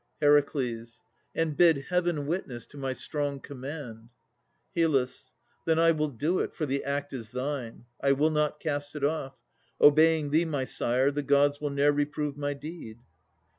HER. And bid Heaven witness to my strong command. HYL. Then I will do it, for the act is thine. I will not cast it off. Obeying thee, My sire, the Gods will ne'er reprove my deed.